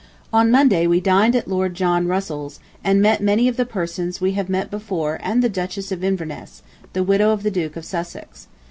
On Monday we dined at Lord John Russell's, and met many of the persons we have met before and the Duchess of Inverness, the widow of the Duke of Sussex.